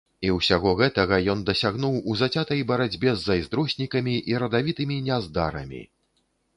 І ўсяго гэтага ён дасягнуў у зацятай барацьбе з зайздроснікамі і радавітымі няздарамі.